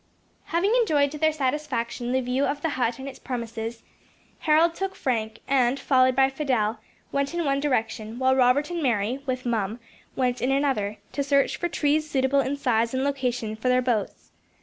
Having enjoyed to their satisfaction the view of the hut and its premises, Harold took Frank, and, followed by Fidelle, went in one direction, while Robert and Mary, with Mum, went in another, to search for trees suitable in size and location for their boats.